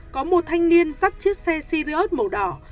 có một thanh niên dắt chiếc xe sirius màu đỏ